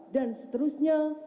dua dan seterusnya